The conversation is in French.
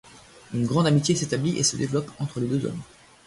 Une grande amitié s'établit et se développe entre les deux hommes.